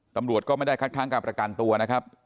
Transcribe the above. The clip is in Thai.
ตำรวจก็ไม่ได้คัดค้างการประกันตัวนะครับ